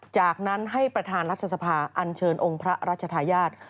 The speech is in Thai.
จากนั้นให้ประธานรัฐสภาอันเชิญองค์พระราชทายาท